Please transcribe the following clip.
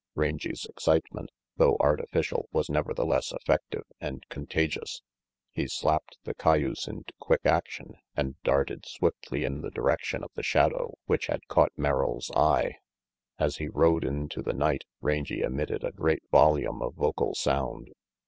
Rangy 's excitement, though artificial, was never theless effective and contagious. He slapped the cayuse into quick action and darted swiftly in the direction of the shadow which had caught Merrill's eye. As he rode into the night, Rangy emitted a great volume of vocal sound.